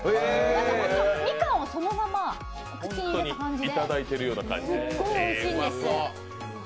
ほんと、みかんをそのまま口に入れた感じで、すっごいおいしいんです。